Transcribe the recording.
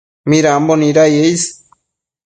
midambo nidaye is